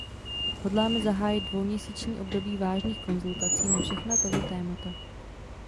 Hodláme zahájit dvouměsíční období vážných konzultací na všechna tato témata.